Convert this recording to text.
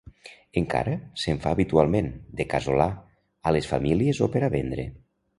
Encara se'n fa habitualment, de casolà, a les famílies o per a vendre.